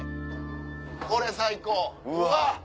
これ最高うわ！